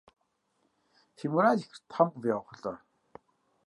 Фи мурад тхьэм къывигъэхъулӏэ!